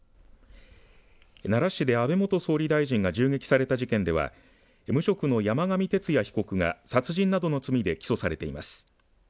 奈良市で安倍元総理大臣が銃撃された事件では無職の山上徹也被告は殺人などの罪で起訴されています。